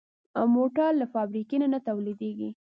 موټر له فابریکې نه تولیدېږي.